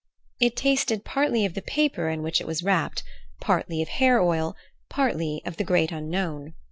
It tasted partly of the paper in which it was wrapped, partly of hair oil, partly of the great unknown.